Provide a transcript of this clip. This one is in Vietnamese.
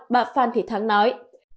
bà phan thị thắng nói